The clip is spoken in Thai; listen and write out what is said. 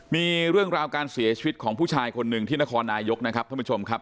มีเรื่องราวการเสียชีวิตของผู้ชายคนหนึ่งที่นครนายกนะครับท่านผู้ชมครับ